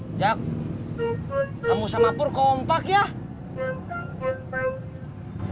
hai jak kamu sama pur kompak ya